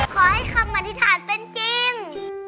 ขอให้คำอธิษฐานเป็นจริง